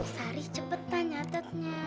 sari cepetan nyatetnya